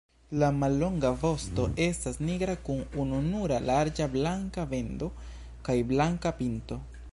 La mallonga vosto estas nigra kun ununura larĝa blanka bendo kaj blanka pinto.